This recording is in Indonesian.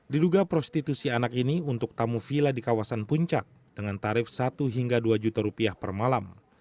diduga prostitusi anak ini untuk tamu villa di kawasan puncak dengan tarif satu hingga dua juta rupiah per malam